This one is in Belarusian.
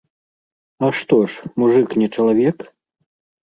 А што ж, мужык не чалавек?